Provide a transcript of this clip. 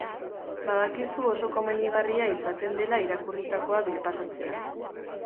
Badakizu oso komenigarria izaten dela irakurritakoa birpasatzea.